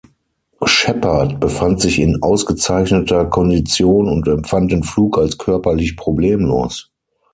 Shepard befand sich in ausgezeichneter Kondition und empfand den Flug als körperlich problemlos.